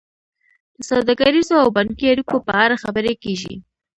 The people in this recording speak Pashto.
د سوداګریزو او بانکي اړیکو په اړه خبرې کیږي